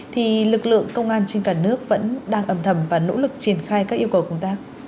thì lực lượng công an trên cả nước vẫn đang ẩm thầm và nỗ lực triển khai các yêu cầu của chúng ta